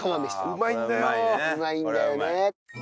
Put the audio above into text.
うまいんだよね。